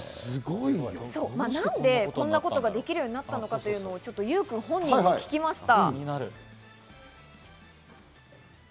何でこんなことができるようになったのか、ゆうくん本人に聞きました。